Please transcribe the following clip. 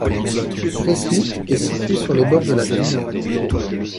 Resnik est situé sur les bords de la Drina.